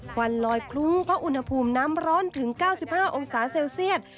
ควันลอยคลุ้งเพราะอุณหภูมิน้ำร้อนถึง๙๕องศาเซลเซียต